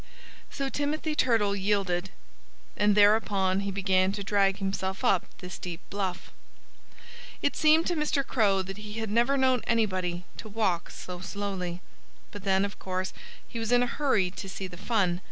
So Timothy Turtle yielded. And thereupon he began to drag himself up the steep bluff. It seemed to Mr. Crow that he had never known anybody to walk so slowly. But then, of course, he was in a hurry to see the fun.